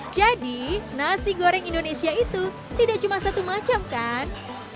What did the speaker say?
jadi nasi goreng indonesia itu tidak cuma satu macam kan